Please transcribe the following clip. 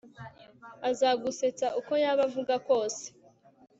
azagusetsa uko yaba avuga kose